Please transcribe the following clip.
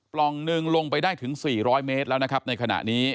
ลองหนึ่งลงไปได้ถึง๔๐๐เมตรแล้วนะครับในขณะนี้